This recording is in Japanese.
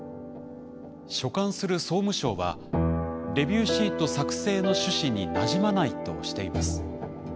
所管する総務省は「レビューシート作成の趣旨になじまない」としています。